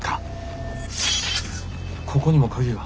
ここにも鍵が。